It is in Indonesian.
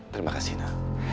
terima kasih na